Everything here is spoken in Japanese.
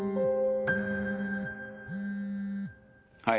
はい。